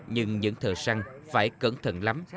nhưng những thợ săn phải cẩn thận lắm